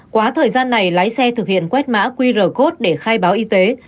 quá thời gian này lái xe thực hiện quét mã qr code để khai báo y tế